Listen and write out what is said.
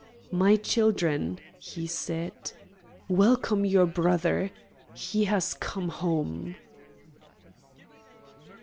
"My children," he said, "welcome your brother. He has come home."